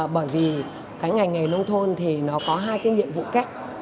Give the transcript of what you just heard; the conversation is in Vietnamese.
bởi vì cái ngành nghề nông thôn thì nó có hai cái nhiệm vụ kép